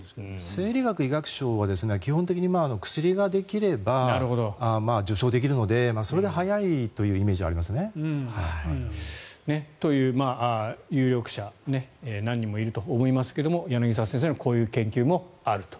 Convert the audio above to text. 生理学医学賞は基本的に薬ができれば受賞できるので、それで早いイメージがありますね。という有力者何人もいると思いますが柳沢先生のこういう研究もあると。